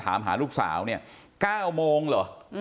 ถามหาลูกสาวฮะ๙โมงเหรอ